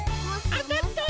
あたった！